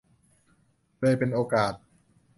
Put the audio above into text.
เลยเป็นโอกาส